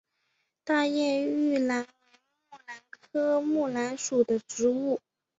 大叶玉兰为木兰科木兰属的植物。